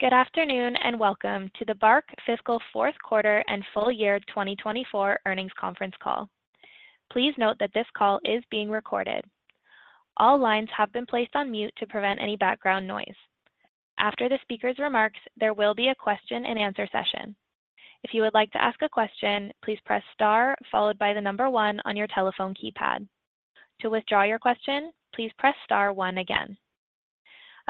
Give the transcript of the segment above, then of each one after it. Good afternoon, and welcome to the BARK fiscal fourth quarter and full year 2024 earnings conference call. Please note that this call is being recorded. All lines have been placed on mute to prevent any background noise. After the speaker's remarks, there will be a question and answer session. If you would like to ask a question, please press Star, followed by the number one on your telephone keypad. To withdraw your question, please press Star one again.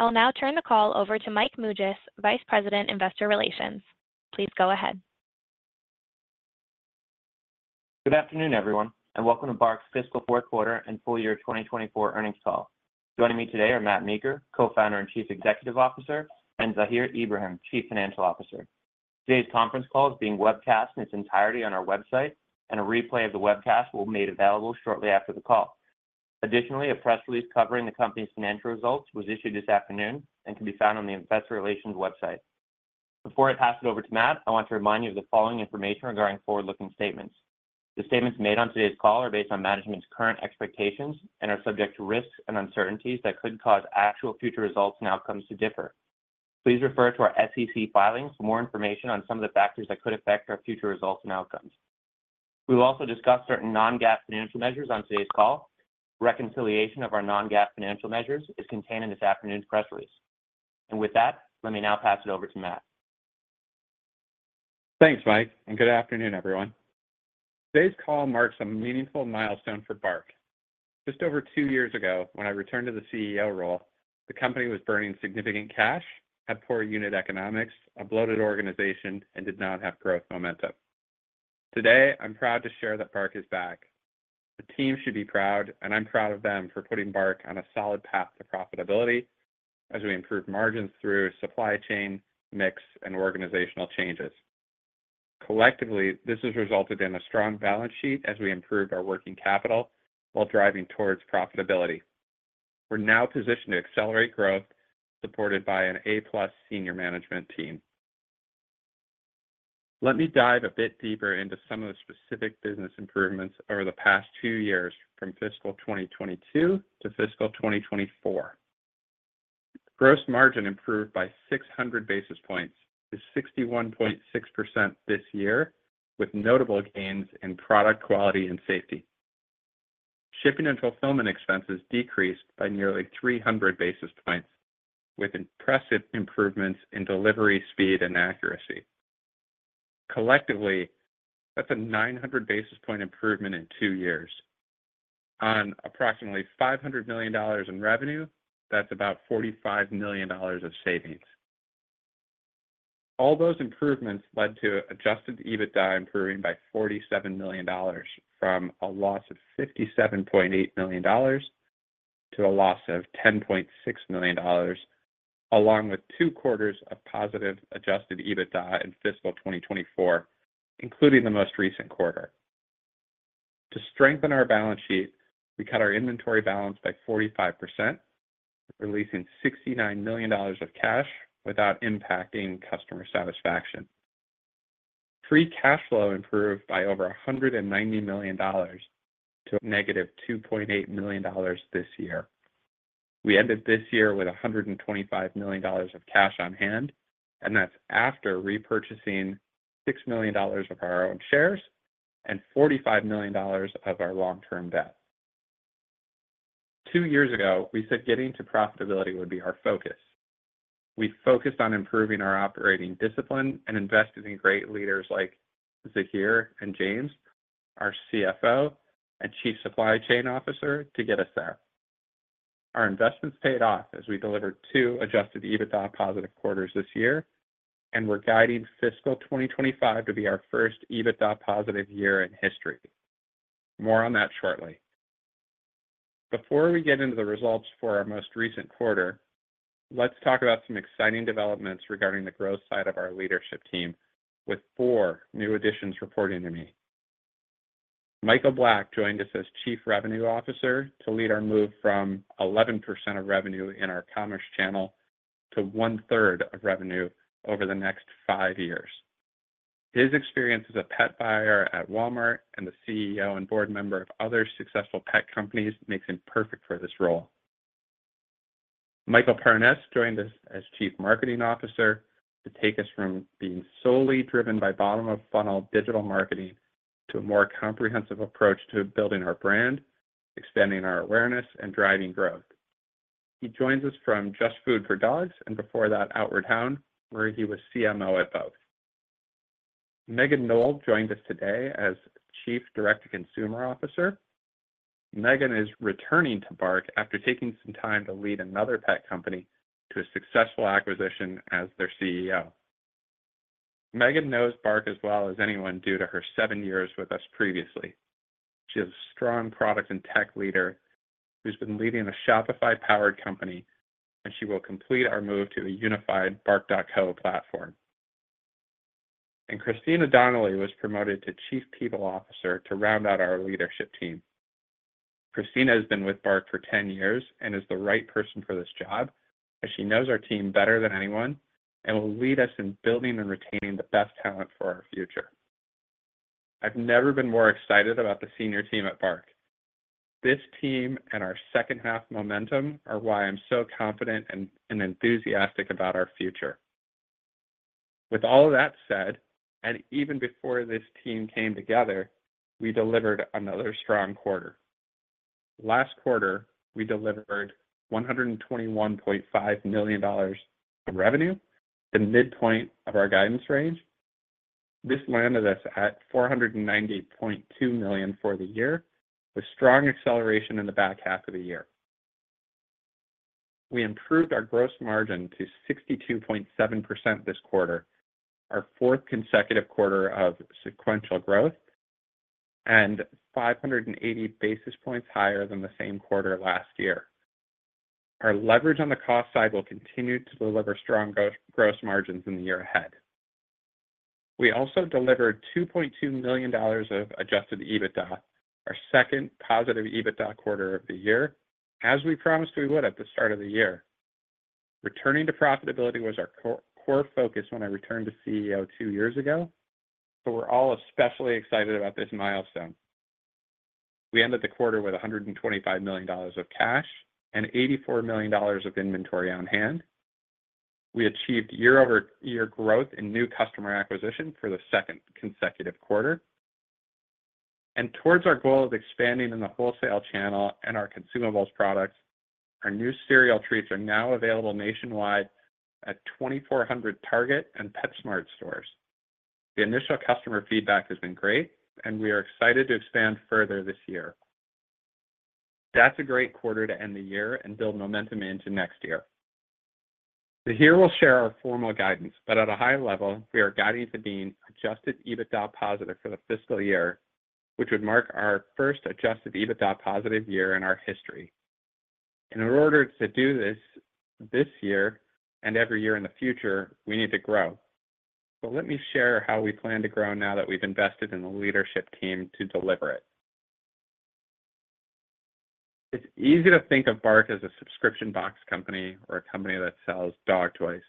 I will now turn the call over to Mike Mougias, Vice President, Investor Relations. Please go ahead. Good afternoon, everyone, and welcome to BARK's fiscal Q4 and full year 2024 earnings call. Joining me today are Matt Meeker, Co-founder and Chief Executive Officer, and Zahir Ibrahim, Chief Financial Officer. Today's conference call is being webcast in its entirety on our website, and a replay of the webcast will be made available shortly after the call. Additionally, a press release covering the company's financial results was issued this afternoon and can be found on the Investor Relations website. Before I pass it over to Matt, I want to remind you of the following information regarding forward-looking statements. The statements made on today's call are based on management's current expectations and are subject to risks and uncertainties that could cause actual future results and outcomes to differ. Please refer to our SEC filings for more information on some of the factors that could affect our future results and outcomes. We will also discuss certain non-GAAP financial measures on today's call. Reconciliation of our non-GAAP financial measures is contained in this afternoon's press release. With that, let me now pass it over to Matt. Thanks, Mike, and good afternoon, everyone. Today's call marks a meaningful milestone for BARK. Just over two years ago, when I returned to the CEO role, the company was burning significant cash, had poor unit economics, a bloated organization, and did not have growth momentum. Today, I'm proud to share that BARK is back. The team should be proud, and I'm proud of them for putting BARK on a solid path to profitability as we improve margins through supply chain, mix, and organizational changes. Collectively, this has resulted in a strong balance sheet as we improved our working capital while driving towards profitability. We're now positioned to accelerate growth, supported by an A-plus senior management team. Let me dive a bit deeper into some of the specific business improvements over the past two years, from fiscal 2022 to fiscal 2024. Gross margin improved by 600 basis points to 61.6% this year, with notable gains in product quality and safety. Shipping and fulfillment expenses decreased by nearly 300 basis points, with impressive improvements in delivery, speed, and accuracy. Collectively, that's a 900 basis points improvement in two years. On approximately $500 million in revenue, that's about $45 million of savings. All those improvements led to Adjusted EBITDA improving by $47 million, from a loss of $57.8 million to a loss of $10.6 million, along with Q2 of positive Adjusted EBITDA in fiscal 2024, including the most recent quarter. To strengthen our balance sheet, we cut our inventory balance by 45%, releasing $69 million of cash without impacting customer satisfaction. Free cash flow improved by over $190 million to -$2.8 million this year. We ended this year with $125 million of cash on hand, and that's after repurchasing $6 million of our own shares and $45 million of our long-term debt. 2 years ago, we said getting to profitability would be our focus. We focused on improving our operating discipline and invested in great leaders like Zahir and James, our CFO and Chief Supply Chain Officer, to get us there. Our investments paid off as we delivered 2 adjusted EBITDA positive quarters this year, and we're guiding fiscal 2025 to be our first EBITDA positive year in history. More on that shortly. Before we get into the results for our most recent quarter, let's talk about some exciting developments regarding the growth side of our leadership team with 4 new additions reporting to me. Michael Black joined us as Chief Revenue Officer to lead our move from 11% of revenue in our commerce channel to one-third of revenue over the next 5 years. His experience as a pet buyer at Walmart and the CEO and board member of other successful pet companies makes him perfect for this role. Michael Parness joined us as Chief Marketing Officer to take us from being solely driven by bottom-of-funnel digital marketing to a more comprehensive approach to building our brand, extending our awareness, and driving growth. He joins us from JustFoodForDogs and before that, Outward Hound, where he was CMO at both. Meghan Knoll joined us today as Chief Direct to Consumer Officer. Meghan is returning to BARK after taking some time to lead another pet company to a successful acquisition as their CEO. Meghan knows BARK as well as anyone due to her seven years with us previously. She is a strong product and tech leader who's been leading a Shopify-powered company, and she will complete our move to a unified bark.co platform. Christina Donnelly was promoted to Chief People Officer to round out our leadership team. Christina has been with BARK for ten years and is the right person for this job, as she knows our team better than anyone and will lead us in building and retaining the best talent for our future... I've never been more excited about the senior team at BARK. This team and our second half momentum are why I'm so confident and, and enthusiastic about our future. With all of that said, and even before this team came together, we delivered another strong quarter. Last quarter, we delivered $121.5 million in revenue, the midpoint of our guidance range. This landed us at $490.2 million for the year, with strong acceleration in the back half of the year. We improved our gross margin to 62.7% this quarter, our fourth consecutive quarter of sequential growth, and 580 basis points higher than the same quarter last year. Our leverage on the cost side will continue to deliver strong gross, gross margins in the year ahead. We also delivered $2.2 million of adjusted EBITDA, our second positive EBITDA quarter of the year, as we promised we would at the start of the year. Returning to profitability was our core, core focus when I returned to CEO two years ago, so we're all especially excited about this milestone. We ended the quarter with $125 million of cash and $84 million of inventory on hand. We achieved year-over-year growth in new customer acquisition for the second consecutive quarter, and towards our goal of expanding in the wholesale channel and our consumables products, our new cereal treats are now available nationwide at 2,400 Target and PetSmart stores. The initial customer feedback has been great, and we are excited to expand further this year. That's a great quarter to end the year and build momentum into next year. So here we'll share our formal guidance, but at a high level, we are guiding to being Adjusted EBITDA positive for the fiscal year, which would mark our first Adjusted EBITDA positive year in our history. In order to do this, this year and every year in the future, we need to grow. Let me share how we plan to grow now that we've invested in the leadership team to deliver it. It's easy to think of BARK as a subscription box company or a company that sells dog toys.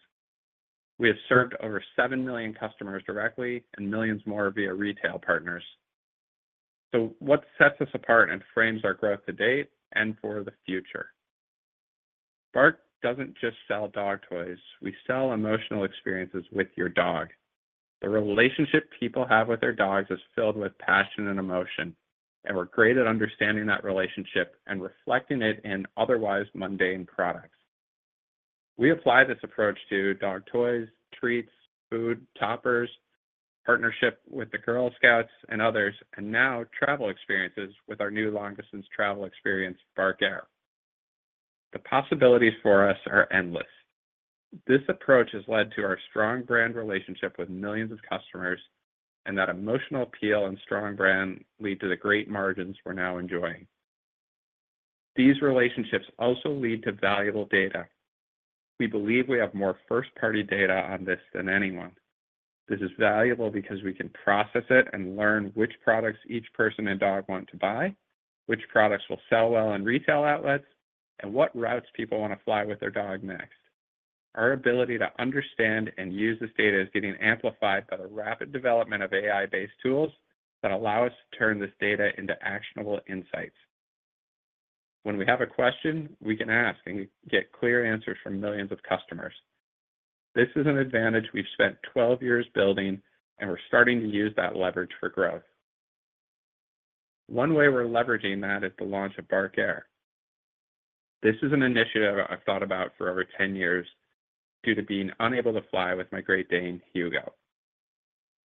We have served over 7 million customers directly and millions more via retail partners. So what sets us apart and frames our growth to date and for the future? BARK doesn't just sell dog toys. We sell emotional experiences with your dog. The relationship people have with their dogs is filled with passion and emotion, and we're great at understanding that relationship and reflecting it in otherwise mundane products. We apply this approach to dog toys, treats, food, toppers, partnership with the Girl Scouts and others, and now travel experiences with our new long-distance travel experience, BARK Air. The possibilities for us are endless. This approach has led to our strong brand relationship with millions of customers, and that emotional appeal and strong brand lead to the great margins we're now enjoying. These relationships also lead to valuable data. We believe we have more first-party data on this than anyone. This is valuable because we can process it and learn which products each person and dog want to buy, which products will sell well in retail outlets, and what routes people wanna fly with their dog next. Our ability to understand and use this data is getting amplified by the rapid development of AI-based tools that allow us to turn this data into actionable insights. When we have a question, we can ask and get clear answers from millions of customers. This is an advantage we've spent 12 years building, and we're starting to use that leverage for growth. One way we're leveraging that is the launch of BARK Air. This is an initiative I've thought about for over 10 years due to being unable to fly with my Great Dane, Hugo.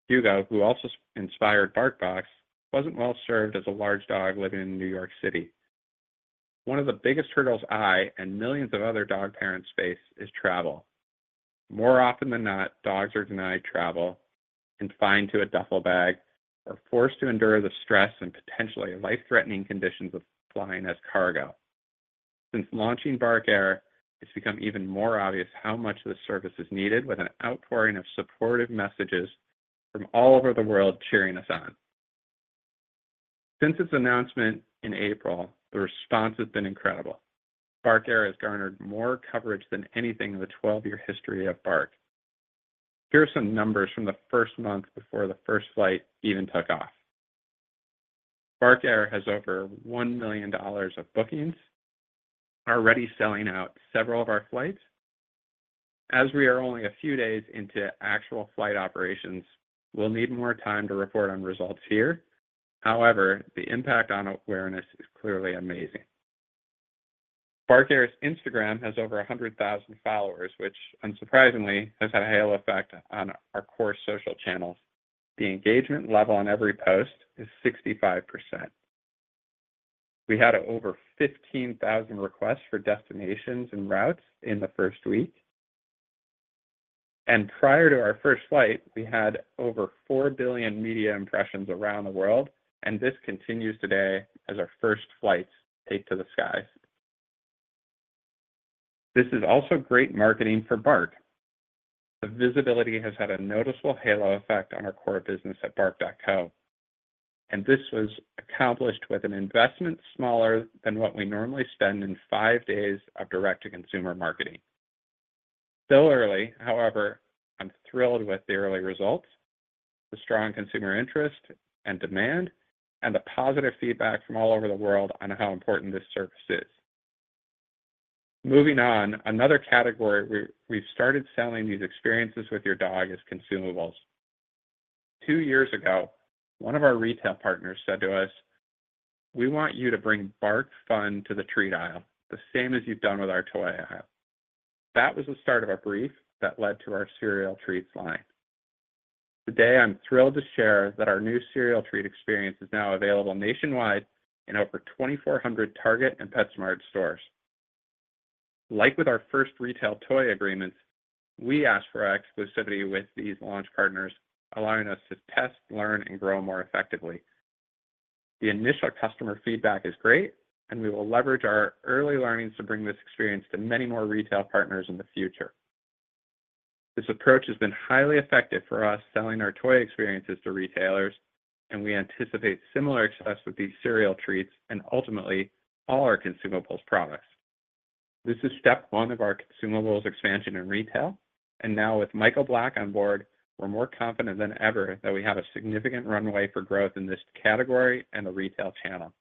Hugo, who also inspired BARK Box, wasn't well served as a large dog living in New York City. One of the biggest hurdles I and millions of other dog parents face is travel. More often than not, dogs are denied travel, confined to a duffel bag, or forced to endure the stress and potentially life-threatening conditions of flying as cargo. Since launching BARK Air, it's become even more obvious how much this service is needed with an outpouring of supportive messages from all over the world cheering us on. Since its announcement in April, the response has been incredible. BARK Air has garnered more coverage than anything in the 12-year history of BARK. Here are some numbers from the first month before the first flight even took off. BARK Air has over $1 million of bookings, already selling out several of our flights. As we are only a few days into actual flight operations, we'll need more time to report on results here. However, the impact on awareness is clearly amazing. BARK Air's Instagram has over 100,000 followers, which unsurprisingly, has had a halo effect on our core social channels. The engagement level on every post is 65%. We had over 15,000 requests for destinations and routes in the first week, and prior to our first flight, we had over 4 billion media impressions around the world, and this continues today as our first flights take to the sky. This is also great marketing for BARK. The visibility has had a noticeable halo effect on our core business at bark.co, and this was accomplished with an investment smaller than what we normally spend in 5 days of direct-to-consumer marketing... Still early, however, I'm thrilled with the early results, the strong consumer interest and demand, and the positive feedback from all over the world on how important this service is. Moving on, another category, we've started selling these experiences with your dog as consumables. Two years ago, one of our retail partners said to us, "We want you to bring BARK fun to the treat aisle, the same as you've done with our toy aisle." That was the start of our brief that led to our cereal treats line. Today, I'm thrilled to share that our new cereal treat experience is now available nationwide in over 2,400 Target and PetSmart stores. Like with our first retail toy agreements, we asked for exclusivity with these launch partners, allowing us to test, learn, and grow more effectively. The initial customer feedback is great, and we will leverage our early learnings to bring this experience to many more retail partners in the future. This approach has been highly effective for us selling our toy experiences to retailers, and we anticipate similar success with these cereal treats and ultimately, all our consumables products. This is step one of our consumables expansion in retail, and now with Michael Black on board, we're more confident than ever that we have a significant runway for growth in this category and the retail channel.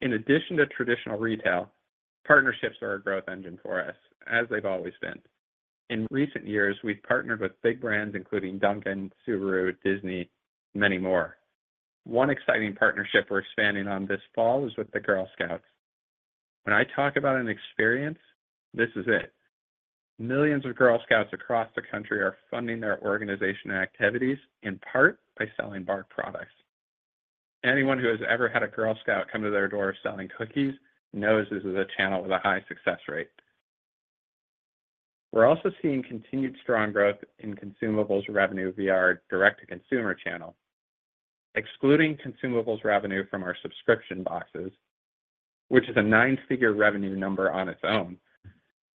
In addition to traditional retail, partnerships are a growth engine for us, as they've always been. In recent years, we've partnered with big brands including Dunkin', Subaru, Disney, many more. One exciting partnership we're expanding on this fall is with the Girl Scouts. When I talk about an experience, this is it. Millions of Girl Scouts across the country are funding their organization and activities, in part, by selling BARK products. Anyone who has ever had a Girl Scout come to their door selling cookies knows this is a channel with a high success rate. We're also seeing continued strong growth in consumables revenue via our direct-to-consumer channel. Excluding consumables revenue from our subscription boxes, which is a nine-figure revenue number on its own,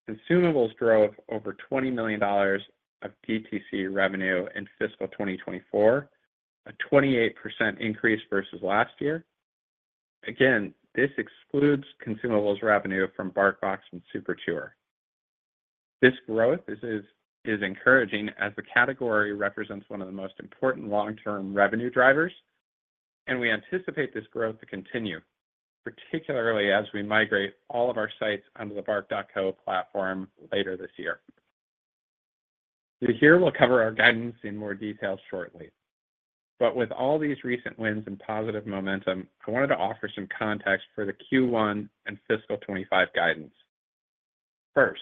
consumables drove over $20 million of DTC revenue in fiscal 2024, a 28% increase versus last year. Again, this excludes consumables revenue from BARKBox and Super Chewer. This growth is encouraging as the category represents one of the most important long-term revenue drivers, and we anticipate this growth to continue, particularly as we migrate all of our sites under the bark.co platform later this year. Zahir will cover our guidance in more detail shortly. But with all these recent wins and positive momentum, I wanted to offer some context for the Q1 and fiscal 2025 guidance. First,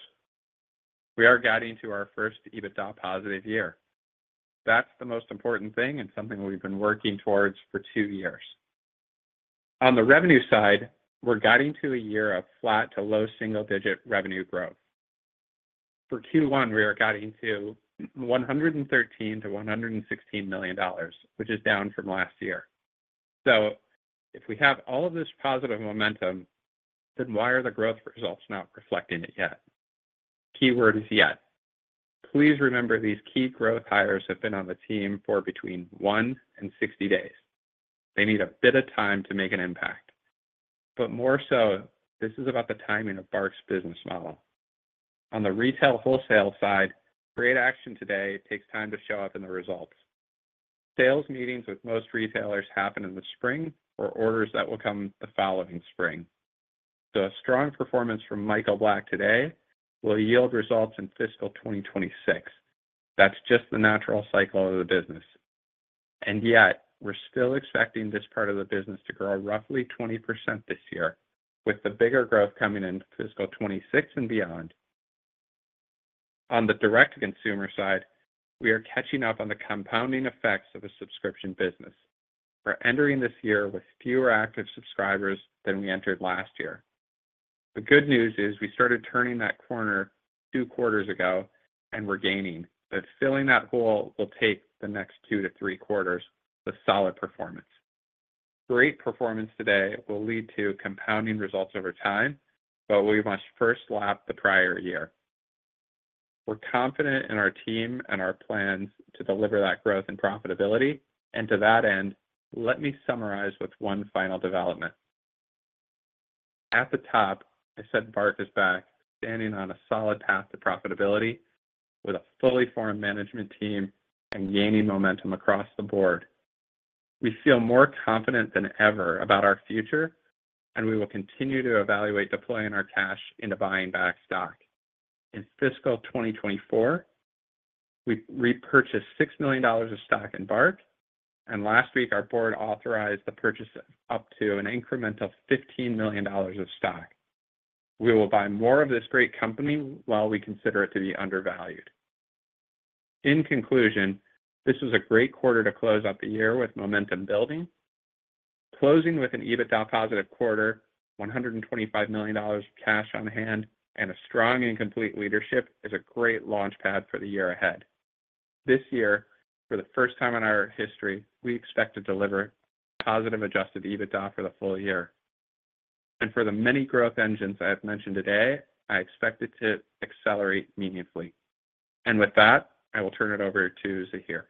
we are guiding to our first EBITDA positive year. That's the most important thing and something we've been working towards for 2 years. On the revenue side, we're guiding to a year of flat to low single-digit revenue growth. For Q1, we are guiding to $113 million-$116 million, which is down from last year. So if we have all of this positive momentum, then why are the growth results not reflecting it yet? Keyword is yet. Please remember, these key growth hires have been on the team for between 1 and 60 days. They need a bit of time to make an impact, but more so, this is about the timing of BARK's business model. On the retail wholesale side, great action today takes time to show up in the results. Sales meetings with most retailers happen in the spring for orders that will come the following spring. So a strong performance from Michael Black today will yield results in fiscal 2026. That's just the natural cycle of the business. And yet, we're still expecting this part of the business to grow roughly 20% this year, with the bigger growth coming in fiscal 2026 and beyond. On the direct consumer side, we are catching up on the compounding effects of a subscription business. We're entering this year with fewer active subscribers than we entered last year. The good news is we started turning that corner Q2 ago and we're gaining, but filling that hole will take the next Q2-Q3 with solid performance. Great performance today will lead to compounding results over time, but we must first lap the prior year. We're confident in our team and our plans to deliver that growth and profitability, and to that end, let me summarize with one final development. At the top, I said BARK is back, standing on a solid path to profitability with a fully formed management team and gaining momentum across the board. We feel more confident than ever about our future, and we will continue to evaluate deploying our cash into buying back stock. In fiscal 2024, we repurchased $6 million of stock in BARK, and last week, our board authorized the purchase of up to an incremental $15 million of stock. We will buy more of this great company while we consider it to be undervalued. In conclusion, this was a great quarter to close out the year with momentum building. Closing with an EBITDA positive quarter, $125 million of cash on hand, and a strong and complete leadership is a great launch pad for the year ahead. This year, for the first time in our history, we expect to deliver positive adjusted EBITDA for the full year. And for the many growth engines I've mentioned today, I expect it to accelerate meaningfully. And with that, I will turn it over to Zahir. ...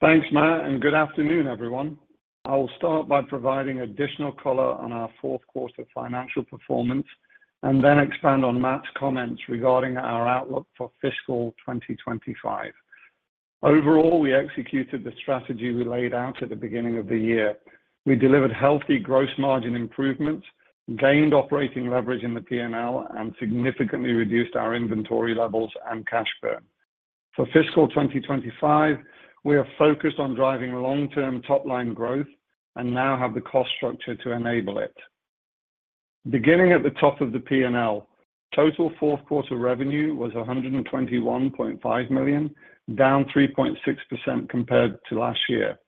Thanks, Matt, and good afternoon, everyone. I will start by providing additional color on our Q4 financial performance and then expand on Matt's comments regarding our outlook for fiscal 2025. Overall, we executed the strategy we laid out at the beginning of the year. We delivered healthy gross margin improvements, gained operating leverage in the PNL, and significantly reduced our inventory levels and cash burn. For fiscal 2025, we are focused on driving long-term top-line growth and now have the cost structure to enable it. Beginning at the top of the PNL, total Q4 revenue was $121.5 million, down 3.6% compared to last year.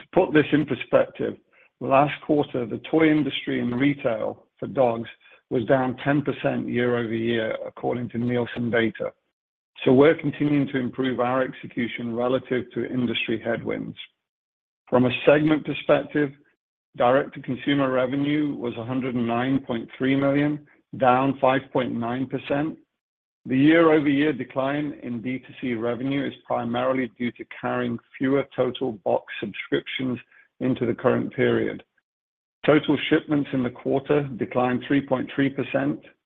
To put this in perspective, last quarter, the toy industry and retail for dogs was down 10% year-over-year, according to Nielsen data. So we're continuing to improve our execution relative to industry headwinds. From a segment perspective, direct-to-consumer revenue was $109.3 million, down 5.9%. The year-over-year decline in D2C revenue is primarily due to carrying fewer total box subscriptions into the current period. Total shipments in the quarter declined 3.3%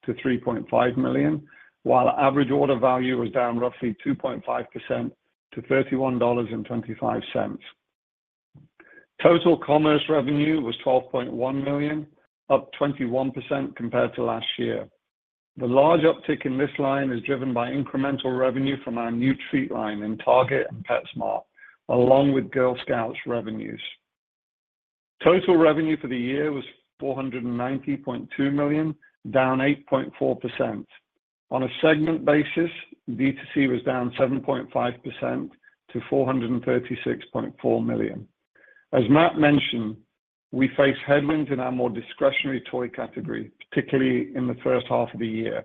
to 3.5 million, while average order value was down roughly 2.5% to $31.25. Total commerce revenue was $12.1 million, up 21% compared to last year. The large uptick in this line is driven by incremental revenue from our new treat line in Target and PetSmart, along with Girl Scouts revenues. Total revenue for the year was $490.2 million, down 8.4%. On a segment basis, D2C was down 7.5% to $436.4 million. As Matt mentioned, we faced headwinds in our more discretionary toy category, particularly in the first half of the year.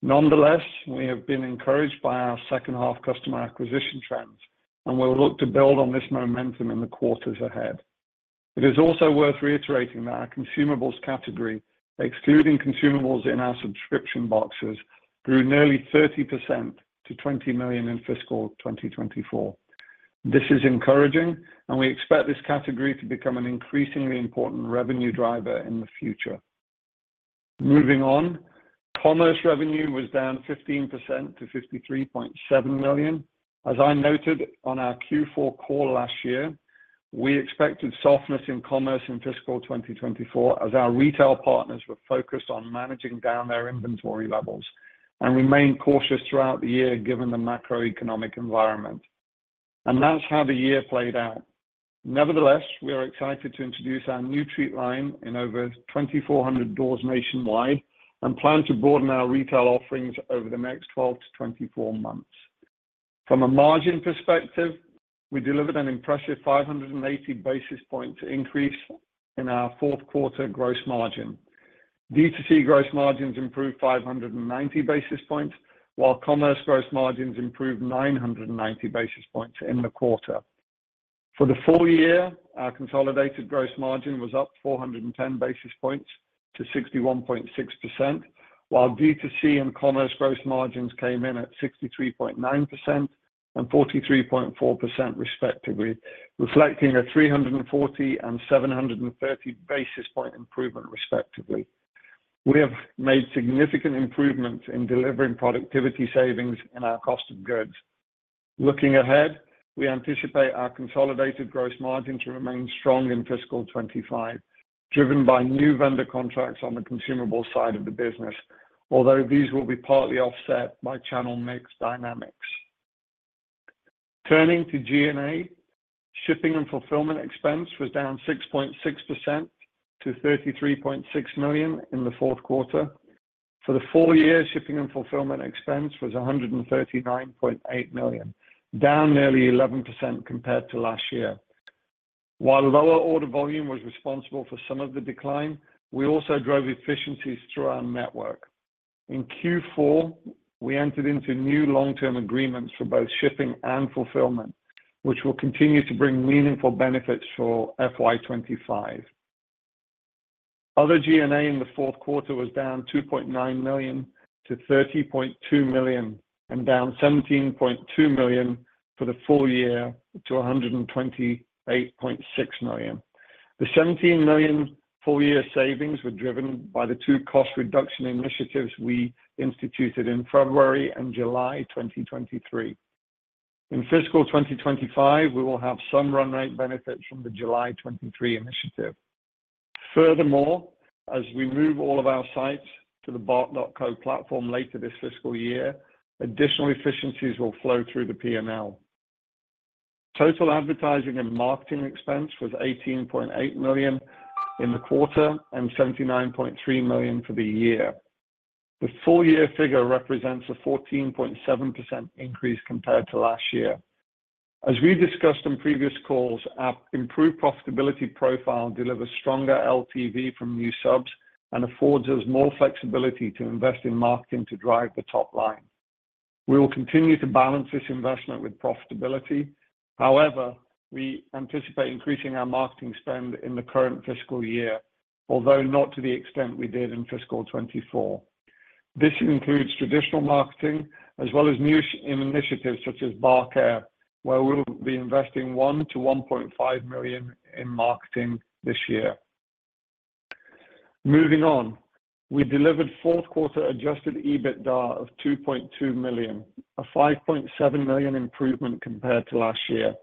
Nonetheless, we have been encouraged by our second-half customer acquisition trends, and we will look to build on this momentum in the quarters ahead. It is also worth reiterating that our consumables category, excluding consumables in our subscription boxes, grew nearly 30% to $20 million in fiscal 2024. This is encouraging, and we expect this category to become an increasingly important revenue driver in the future. Moving on, commerce revenue was down 15% to $53.7 million. As I noted on our Q4 call last year, we expected softness in commerce in fiscal 2024 as our retail partners were focused on managing down their inventory levels and remained cautious throughout the year, given the macroeconomic environment. That's how the year played out. Nevertheless, we are excited to introduce our new treat line in over 2,400 doors nationwide and plan to broaden our retail offerings over the next 12-24 months. From a margin perspective, we delivered an impressive 580 basis point increase in our Q4 gross margin. D2C gross margins improved 590 basis points, while commerce gross margins improved 990 basis points in the quarter. For the full year, our consolidated gross margin was up 410 basis points to 61.6%, while D2C and commerce gross margins came in at 63.9% and 43.4%, respectively, reflecting a 340 and 730 basis point improvement, respectively. We have made significant improvements in delivering productivity savings in our cost of goods. Looking ahead, we anticipate our consolidated gross margin to remain strong in fiscal 2025, driven by new vendor contracts on the consumable side of the business, although these will be partly offset by channel mix dynamics. Turning to SG&A, shipping and fulfillment expense was down 6.6% to $33.6 million in the Q4. For the full year, shipping and fulfillment expense was $139.8 million, down nearly 11% compared to last year. While lower order volume was responsible for some of the decline, we also drove efficiencies through our network. In Q4, we entered into new long-term agreements for both shipping and fulfillment, which will continue to bring meaningful benefits for FY 2025. Other G&A in the Q4 was down $2.9 million to $30.2 million and down $17.2 million for the full year to $128.6 million. The $17 million full year savings were driven by the two cost reduction initiatives we instituted in February and July 2023. In fiscal 2025, we will have some run rate benefits from the July 2023 initiative. Furthermore, as we move all of our sites to the bark.co platform later this fiscal year, additional efficiencies will flow through the PNL. Total advertising and marketing expense was $18.8 million in the quarter and $79.3 million for the year. The full year figure represents a 14.7% increase compared to last year. As we discussed in previous calls, our improved profitability profile delivers stronger LTV from new subs and affords us more flexibility to invest in marketing to drive the top line. We will continue to balance this investment with profitability. However, we anticipate increasing our marketing spend in the current fiscal year, although not to the extent we did in fiscal 2024.... This includes traditional marketing as well as new initiatives such as BARK Air, where we'll be investing $1-$1.5 million in marketing this year. Moving on, we delivered Q4 Adjusted EBITDA of $2.2 million, a $5.7 million improvement compared to last year.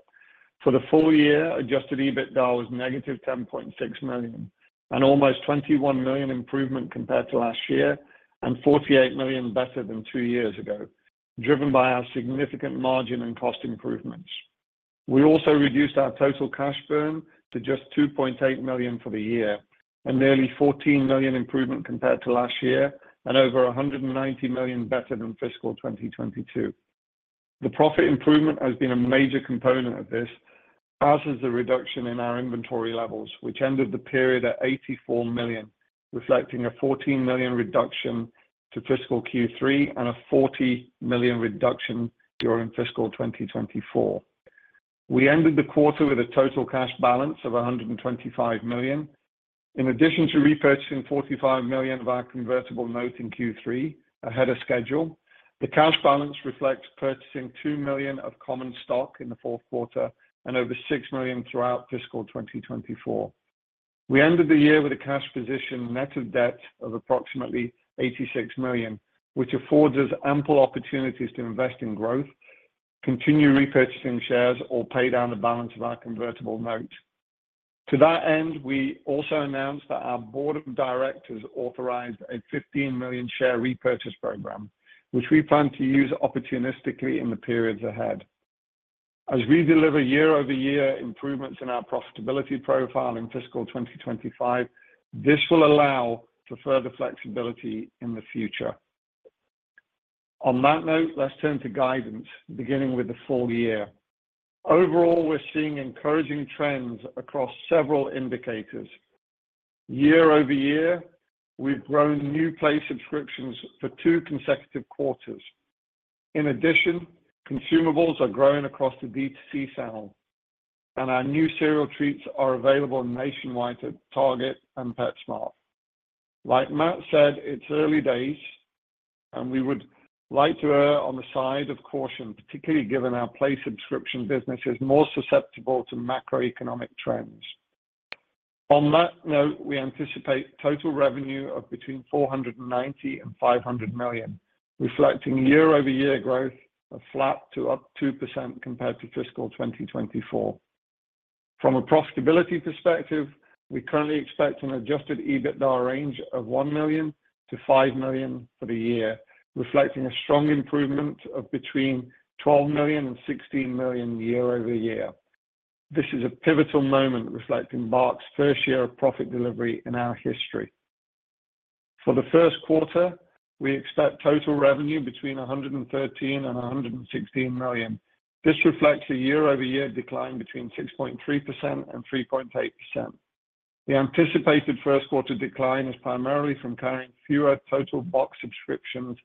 For the full year, Adjusted EBITDA was -$10.6 million, and almost $21 million improvement compared to last year, and $48 million better than two years ago, driven by our significant margin and cost improvements. We also reduced our total cash burn to just $2.8 million for the year, and nearly $14 million improvement compared to last year, and over $190 million better than fiscal 2022. The profit improvement has been a major component of this, as is the reduction in our inventory levels, which ended the period at $84 million, reflecting a $14 million reduction to fiscal Q3 and a $40 million reduction during fiscal 2024. We ended the quarter with a total cash balance of $125 million. In addition to repurchasing $45 million of our convertible note in Q3 ahead of schedule, the cash balance reflects purchasing $2 million of common stock in the Q4 and over $6 million throughout fiscal 2024. We ended the year with a cash position net of debt of approximately $86 million, which affords us ample opportunities to invest in growth, continue repurchasing shares, or pay down the balance of our convertible note. To that end, we also announced that our board of directors authorized a $15 million share repurchase program, which we plan to use opportunistically in the periods ahead. As we deliver year-over-year improvements in our profitability profile in fiscal 2025, this will allow for further flexibility in the future. On that note, let's turn to guidance, beginning with the full year. Overall, we're seeing encouraging trends across several indicators. Year-over-year, we've grown new play subscriptions for two consecutive quarter. In addition, consumables are growing across the DTC channel, and our new cereal treats are available nationwide to Target and PetSmart. Like Matt said, it's early days, and we would like to err on the side of caution, particularly given our play subscription business is more susceptible to macroeconomic trends. On that note, we anticipate total revenue of between $490 million and $500 million, reflecting year-over-year growth of flat to up 2% compared to fiscal 2024. From a profitability perspective, we currently expect an Adjusted EBITDA range of $1 million to $5 million for the year, reflecting a strong improvement of between $12 million and $16 million year-over-year. This is a pivotal moment, reflecting BARK's first year of profit delivery in our history. For the Q1, we expect total revenue between $113 million and $116 million. This reflects a year-over-year decline between 6.3% and 3.8%. The anticipated Q1 decline is primarily from carrying fewer total box subscriptions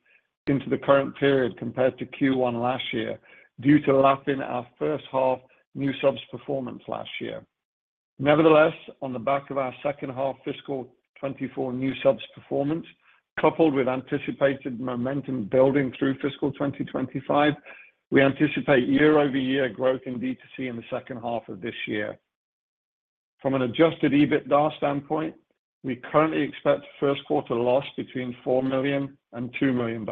into the current period compared to Q1 last year, due to lapping our first half new subs performance last year. Nevertheless, on the back of our second half fiscal 2024 new subs performance, coupled with anticipated momentum building through fiscal 2025, we anticipate year-over-year growth in D2C in the second half of this year. From an adjusted EBITDA standpoint, we currently expect Q1 loss between $4 million and $2 million,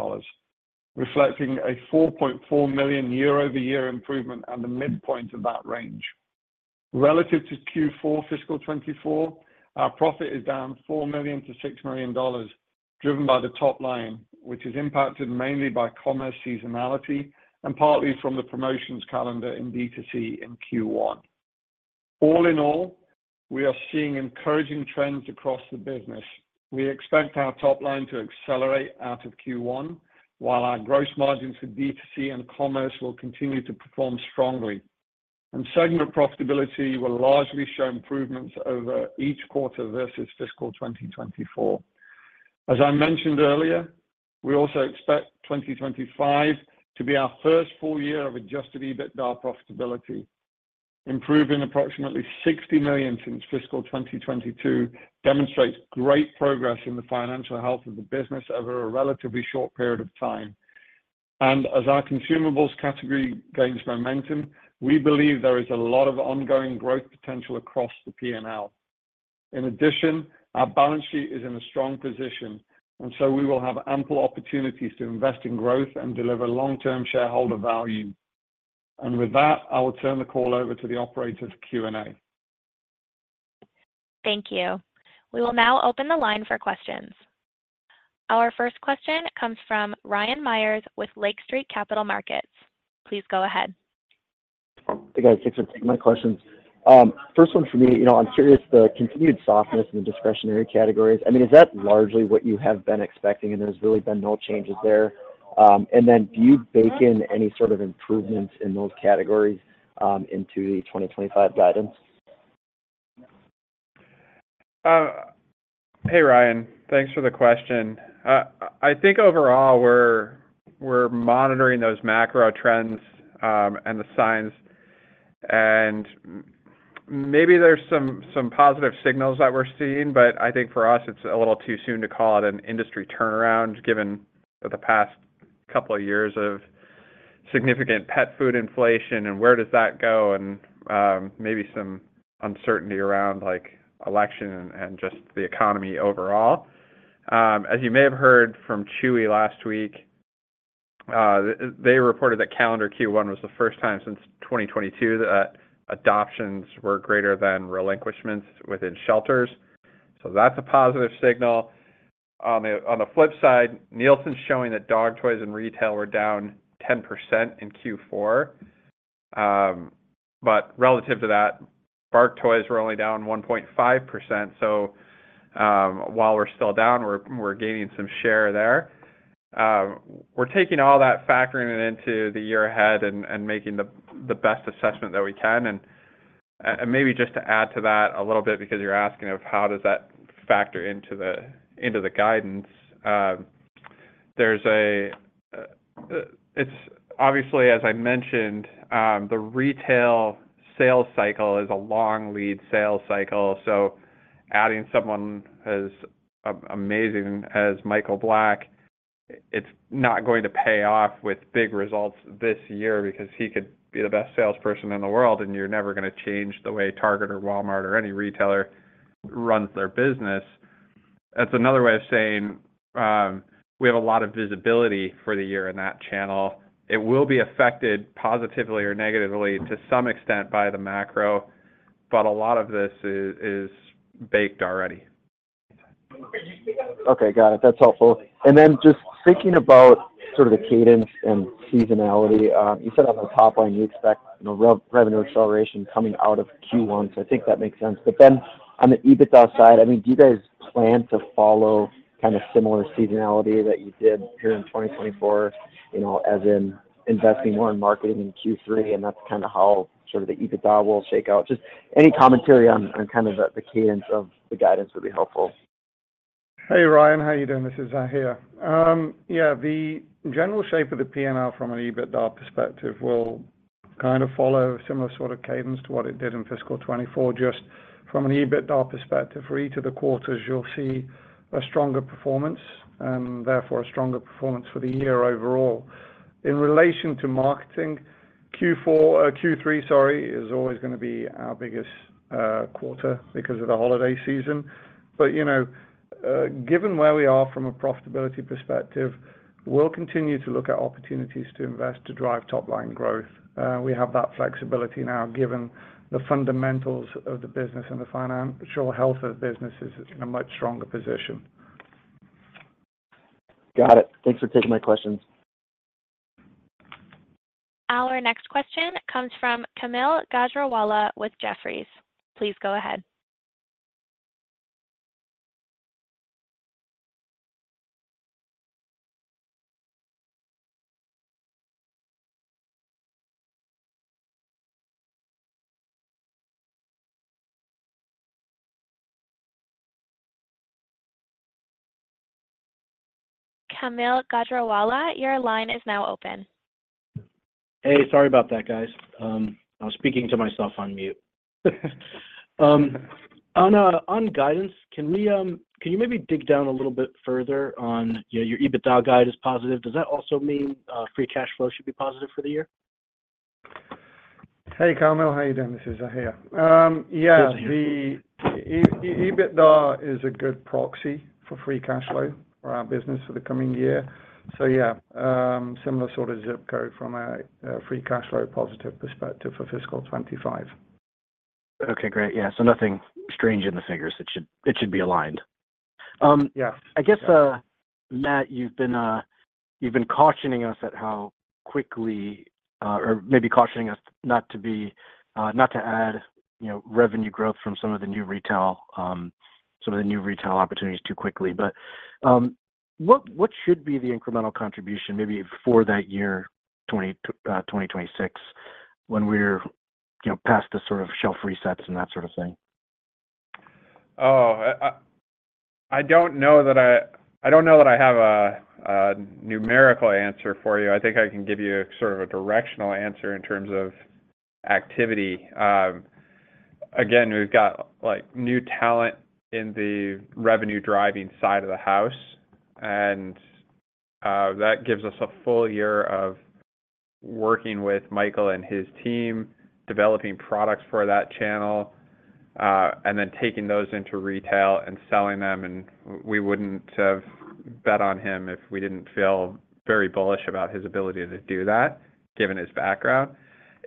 reflecting a $4.4 million year-over-year improvement at the midpoint of that range. Relative to Q4 fiscal 2024, our profit is down $4 million-$6 million, driven by the top line, which is impacted mainly by commerce seasonality and partly from the promotions calendar in D2C in Q1. All in all, we are seeing encouraging trends across the business. We expect our top line to accelerate out of Q1, while our gross margins for D2C and commerce will continue to perform strongly, and segment profitability will largely show improvements over each quarter versus fiscal 2024. As I mentioned earlier, we also expect 2025 to be our first full year of adjusted EBITDA profitability. Improving approximately $60 million since fiscal 2022 demonstrates great progress in the financial health of the business over a relatively short period of time. And as our consumables category gains momentum, we believe there is a lot of ongoing growth potential across the PNL. In addition, our balance sheet is in a strong position, and so we will have ample opportunities to invest in growth and deliver long-term shareholder value. With that, I will turn the call over to the operator for Q&A. Thank you. We will now open the line for questions. Our first question comes from Ryan Meyers with Lake Street Capital Markets. Please go ahead. Hey, guys. Thanks for taking my questions. First one for me, you know, I'm curious, the continued softness in the discretionary categories, I mean, is that largely what you have been expecting, and there's really been no changes there? And then do you bake in any sort of improvements in those categories into the 2025 guidance? Hey, Ryan. Thanks for the question. I think overall, we're monitoring those macro trends, and the signs-... and maybe there's some positive signals that we're seeing, but I think for us, it's a little too soon to call it an industry turnaround, given the past couple of years of significant pet food inflation, and where does that go, and, maybe some uncertainty around, like, election and, and just the economy overall. As you may have heard from Chewy last week, they reported that calendar Q1 was the first time since 2022 that adoptions were greater than relinquishments within shelters, so that's a positive signal. On the flip side, Nielsen's showing that dog toys and retail were down 10% in Q4. But relative to that, BARK toys were only down 1.5%, so, while we're still down, we're, we're gaining some share there. We're taking all that, factoring it into the year ahead and making the best assessment that we can. Maybe just to add to that a little bit, because you're asking of how does that factor into the guidance. It's obviously, as I mentioned, the retail sales cycle is a long lead sales cycle, so adding someone as amazing as Michael Black, it's not going to pay off with big results this year because he could be the best salesperson in the world, and you're never gonna change the way Target or Walmart or any retailer runs their business. That's another way of saying, we have a lot of visibility for the year in that channel. It will be affected positively or negatively to some extent by the macro, but a lot of this is baked already. Okay, got it. That's helpful. And then just thinking about sort of the cadence and seasonality, you said on the top line, you expect, you know, revenue acceleration coming out of Q1, so I think that makes sense. But then on the EBITDA side, I mean, do you guys plan to follow kind of similar seasonality that you did here in 2024, you know, as in investing more in marketing in Q3, and that's kinda how sort of the EBITDA will shake out? Just any commentary on, on kind of the, the cadence of the guidance would be helpful. Hey, Ryan, how you doing? This is Zahir. Yeah, the general shape of the PNL from an EBITDA perspective will kind of follow a similar sort of cadence to what it did in fiscal 2024. Just from an EBITDA perspective, for each of the quarters, you'll see a stronger performance, and therefore a stronger performance for the year overall. In relation to marketing, Q4, Q3, sorry, is always gonna be our biggest quarter because of the holiday season. But, you know, given where we are from a profitability perspective, we'll continue to look at opportunities to invest to drive top line growth. We have that flexibility now, given the fundamentals of the business and the financial health of the business is in a much stronger position. Got it. Thanks for taking my questions. Our next question comes from Kaumil Gajrawala with Jefferies. Please go ahead. Kaumil Gajrawala, your line is now open. Hey, sorry about that, guys. I was speaking to myself on mute. On guidance, can you maybe dig down a little bit further on, you know, your EBITDA guide is positive, does that also mean free cash flow should be positive for the year? Hey, Kaumil, how are you doing? This is Zahir. Yeah- Good to hear you. The EBITDA is a good proxy for free cash flow for our business for the coming year. So yeah, similar sort of zip code from a free cash flow positive perspective for fiscal 2025. Okay, great. Yeah, so nothing strange in the figures. It should, it should be aligned. Um, yeah. I guess, Matt, you've been cautioning us at how quickly, or maybe cautioning us not to be not to add, you know, revenue growth from some of the new retail, some of the new retail opportunities too quickly. But, what, what should be the incremental contribution maybe for that year, 2026, when we're, you know, past the sort of shelf resets and that sort of thing? I don't know that I have a numerical answer for you. I think I can give you sort of a directional answer in terms of activity. Again, we've got, like, new talent in the revenue-driving side of the house, and that gives us a full year of working with Michael and his team, developing products for that channel, and then taking those into retail and selling them, and we wouldn't have bet on him if we didn't feel very bullish about his ability to do that, given his background.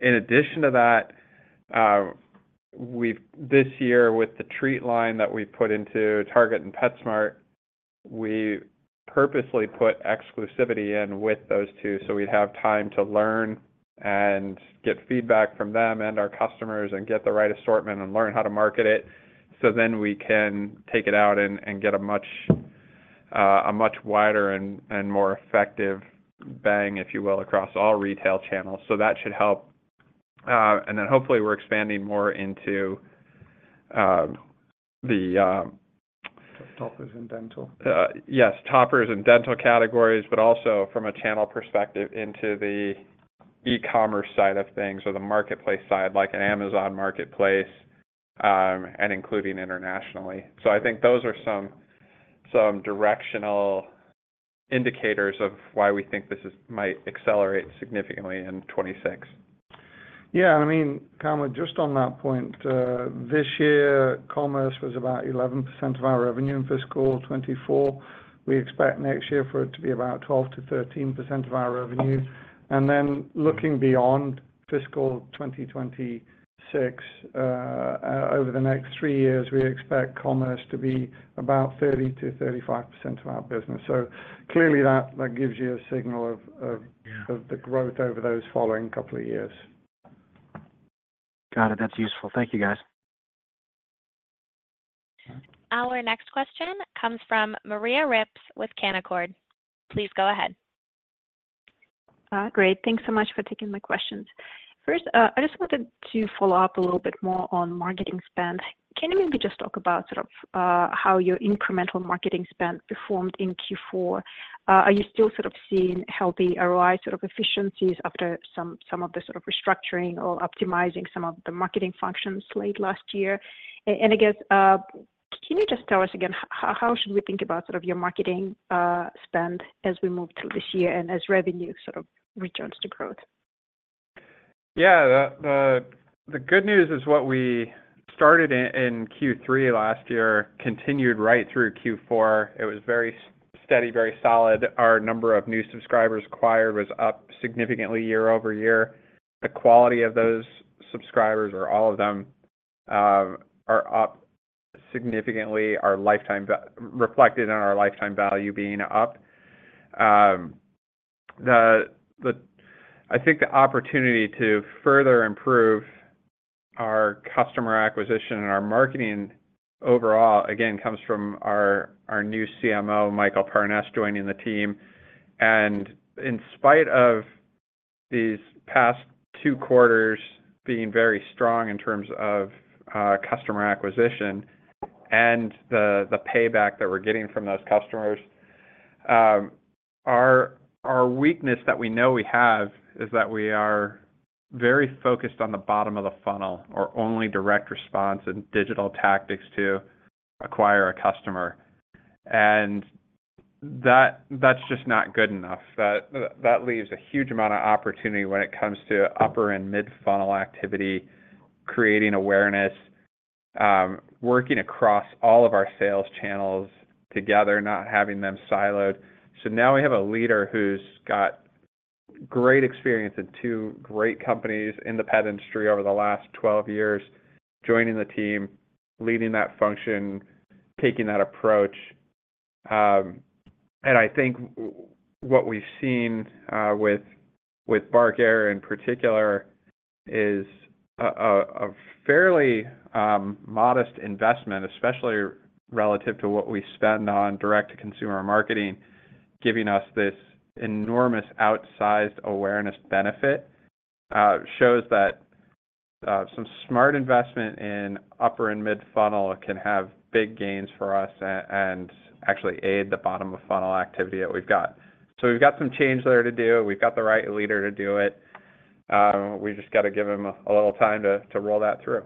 In addition to that, this year, with the treat line that we put into Target and PetSmart, we purposely put exclusivity in with those two, so we'd have time to learn and get feedback from them and our customers and get the right assortment and learn how to market it. So then we can take it out and get a much wider and more effective bang, if you will, across all retail channels. So that should help. And then hopefully, we're expanding more into ...toppers and dental? Yes, toppers in dental categories, but also from a channel perspective into the e-commerce side of things or the marketplace side, like an Amazon Marketplace, and including internationally. So I think those are some directional indicators of why we think this might accelerate significantly in 2026. Yeah, I mean, Kaumil, just on that point, this year, commerce was about 11% of our revenue in fiscal 2024. We expect next year for it to be about 12%-13% of our revenue. And then looking beyond fiscal 2026, over the next three years, we expect commerce to be about 30%-35% of our business. So clearly, that, that gives you a signal of, of- Yeah... the growth over those following couple of years. Got it. That's useful. Thank you, guys. Our next question comes from Maria Ripps with Canaccord. Please go ahead. Great. Thanks so much for taking my questions. First, I just wanted to follow up a little bit more on marketing spend. Can you maybe just talk about sort of how your incremental marketing spend performed in Q4? Are you still sort of seeing healthy ROI sort of efficiencies after some of the sort of restructuring or optimizing some of the marketing functions late last year? And I guess, can you just tell us again, how should we think about sort of your marketing spend as we move through this year and as revenue sort of returns to growth? Yeah, the good news is what we started in Q3 last year continued right through Q4. It was very steady, very solid. Our number of new subscribers acquired was up significantly year-over-year. The quality of those subscribers, or all of them, are up significantly, our lifetime value being up. I think the opportunity to further improve our customer acquisition and our marketing overall, again, comes from our new CMO, Michael Parness, joining the team. In spite of these past Q2 being very strong in terms of customer acquisition and the payback that we're getting from those customers, our weakness that we know we have is that we are very focused on the bottom of the funnel or only direct response and digital tactics to acquire a customer. That, that's just not good enough. That, that leaves a huge amount of opportunity when it comes to upper and mid-funnel activity, creating awareness, working across all of our sales channels together, not having them siloed. Now we have a leader who's got great experience in two great companies in the pet industry over the last 12 years, joining the team, leading that function, taking that approach. I think what we've seen with BARK Air, in particular, is a fairly modest investment, especially relative to what we spend on direct consumer marketing, giving us this enormous outsized awareness benefit, shows that some smart investment in upper and mid-funnel can have big gains for us, and actually aid the bottom-of-funnel activity that we've got. We've got some change there to do. We've got the right leader to do it. We just got to give him a little time to roll that through.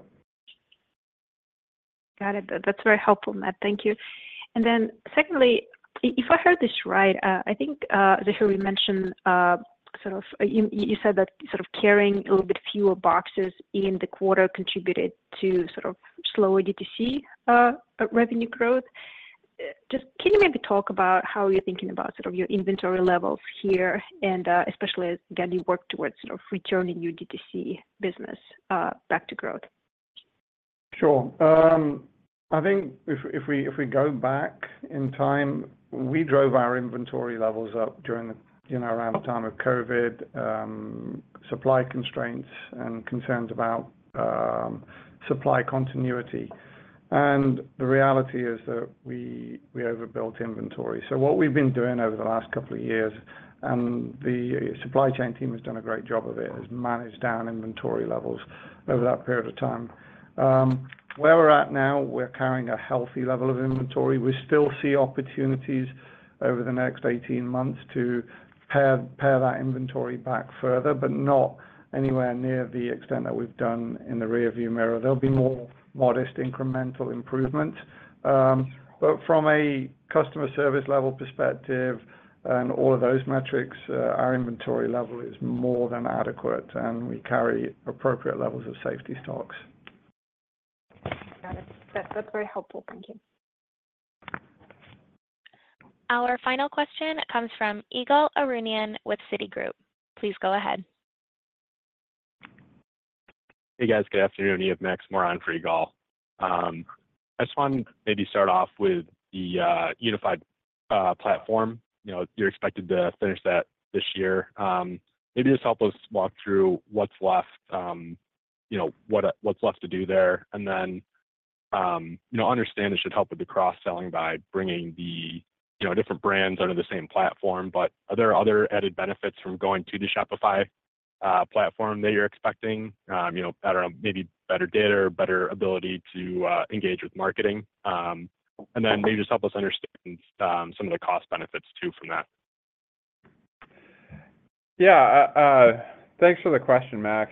Got it. That's very helpful, Matt. Thank you. And then secondly, if I heard this right, I think, Zahir mentioned, sort of... You, you said that sort of carrying a little bit fewer boxes in the quarter contributed to sort of slower D2C revenue growth. Just can you maybe talk about how you're thinking about sort of your inventory levels here, and, especially as again, you work towards sort of returning your D2C business back to growth? Sure. I think if we go back in time, we drove our inventory levels up during the, you know, around the time of COVID, supply constraints and concerns about supply continuity. And the reality is that we overbuilt inventory. So what we've been doing over the last couple of years, and the supply chain team has done a great job of it, is manage down inventory levels over that period of time. Where we're at now, we're carrying a healthy level of inventory. We still see opportunities over the next 18 months to pare that inventory back further, but not anywhere near the extent that we've done in the rearview mirror. There'll be more modest incremental improvement. From a customer service level perspective and all of those metrics, our inventory level is more than adequate, and we carry appropriate levels of safety stocks. Got it. That's, that's very helpful. Thank you. Our final question comes from Ygal Arounian with Citigroup. Please go ahead. Hey, guys. Good afternoon. You have Max Rakhlenko for Ygal. I just want to maybe start off with the unified platform. You know, you're expected to finish that this year. Maybe just help us walk through what's left, you know, what, what's left to do there. And then, you know, I understand it should help with the cross-selling by bringing the, you know, different brands under the same platform, but are there other added benefits from going to the Shopify... platform that you're expecting? You know, I don't know, maybe better data or better ability to engage with marketing. And then maybe just help us understand some of the cost benefits too from that. Yeah, thanks for the question, Max.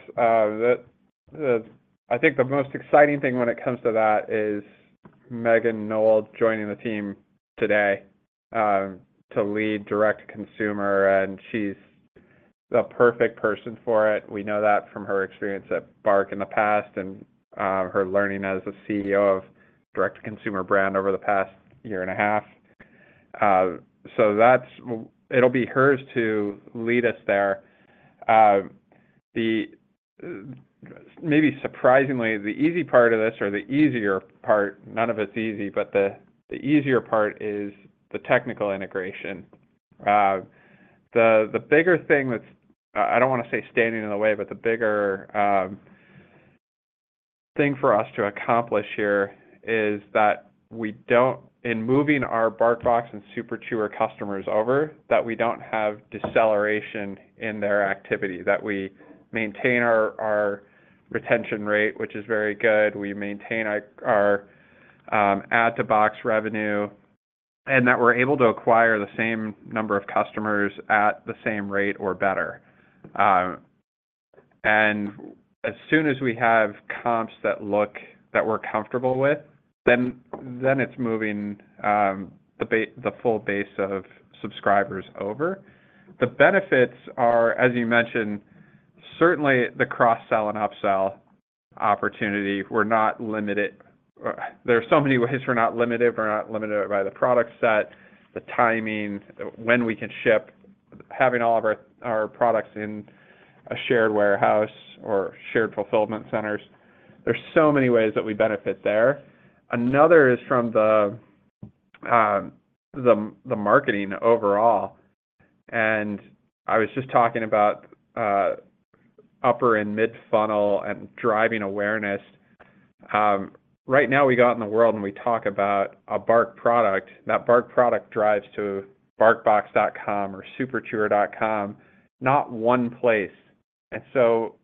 The—I think the most exciting thing when it comes to that is Meghan Knoll joining the team today, to lead direct to consumer, and she's the perfect person for it. We know that from her experience at BARK in the past and her learning as a CEO of direct-to-consumer brand over the past year and a half. So that's... It'll be hers to lead us there. The, maybe surprisingly, the easy part of this or the easier part, none of it's easy, but the easier part is the technical integration. The bigger thing that's I don't wanna say standing in the way, but the bigger thing for us to accomplish here is that we don't in moving our BARKBox and Super Chewer customers over, that we don't have deceleration in their activity, that we maintain our retention rate, which is very good. We maintain our add-to-box revenue, and that we're able to acquire the same number of customers at the same rate or better. And as soon as we have comps that look that we're comfortable with, then it's moving the full base of subscribers over. The benefits are, as you mentioned, certainly the cross-sell and upsell opportunity. We're not limited. There are so many ways we're not limited. We're not limited by the product set, the timing, when we can ship, having all of our products in a shared warehouse or shared fulfillment centers. There's so many ways that we benefit there. Another is from the marketing overall, and I was just talking about upper and mid funnel and driving awareness. Right now, we go out in the world, and we talk about a BARK product. That BARK product drives to BARKBox.com or SuperChewer.com, not one place. And so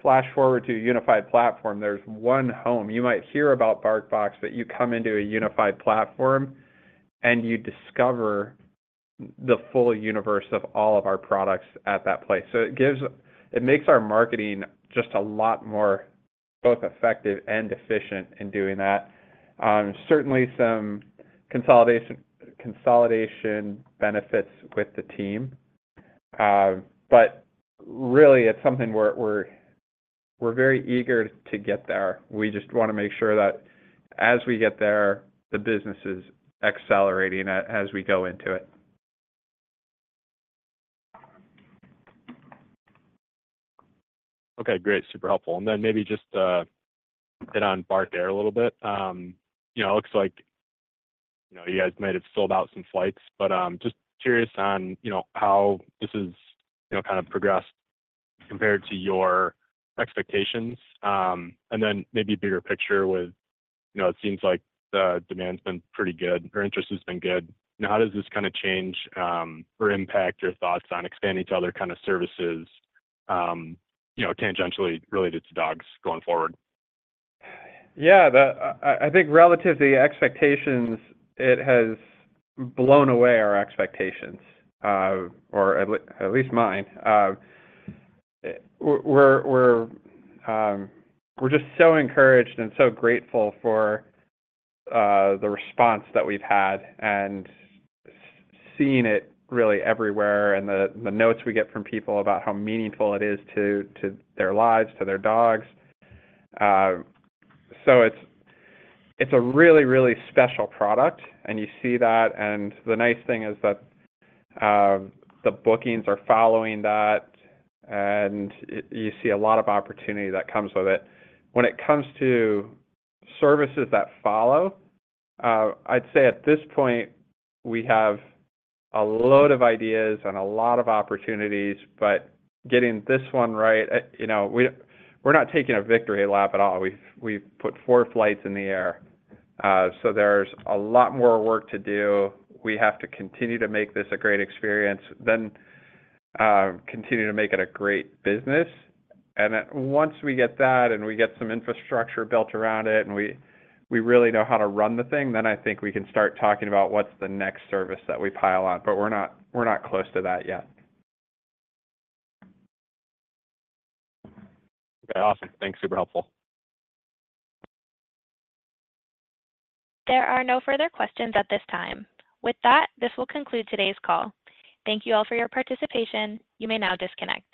flash forward to a unified platform, there's one home. You might hear about BARKBox, but you come into a unified platform, and you discover the full universe of all of our products at that place. So it gives it makes our marketing just a lot more, both effective and efficient in doing that. Certainly some consolidation benefits with the team, but really, it's something we're very eager to get there. We just wanna make sure that as we get there, the business is accelerating as we go into it. Okay, great. Super helpful. And then maybe just hit on BARK Air a little bit. You know, looks like, you know, you guys might have sold out some flights, but just curious on, you know, how this has, you know, kind of progressed compared to your expectations. And then maybe bigger picture with, you know, it seems like the demand's been pretty good or interest has been good. Now, how does this kinda change or impact your thoughts on expanding to other kind of services, you know, tangentially related to dogs going forward? Yeah, I think relative to the expectations, it has blown away our expectations, or at least mine. We're just so encouraged and so grateful for the response that we've had and seeing it really everywhere and the notes we get from people about how meaningful it is to their lives, to their dogs. So it's a really, really special product, and you see that, and the nice thing is that the bookings are following that, and you see a lot of opportunity that comes with it. When it comes to services that follow, I'd say at this point, we have a load of ideas and a lot of opportunities, but getting this one right, you know, we're not taking a victory lap at all. We've put 4 flights in the air, so there's a lot more work to do. We have to continue to make this a great experience, then continue to make it a great business. And then, once we get that, and we get some infrastructure built around it, and we really know how to run the thing, then I think we can start talking about what's the next service that we pile on, but we're not, we're not close to that yet. Okay, awesome. Thanks. Super helpful. There are no further questions at this time. With that, this will conclude today's call. Thank you all for your participation. You may now disconnect.